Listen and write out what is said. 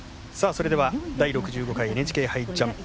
それでは第６５回ＮＨＫ杯ジャンプ